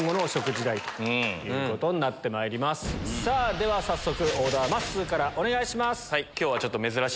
では早速オーダーまっすーからお願いします。